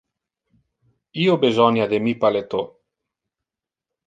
Io besonia de mi paletot.